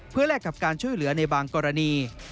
เพื่อแลกกับการช่วยเหลือในบางกรณี